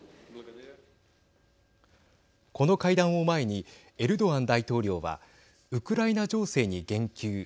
この会談を前にエルドアン大統領はウクライナ情勢に言及。